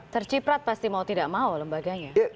terciprat pasti mau tidak mau lembaganya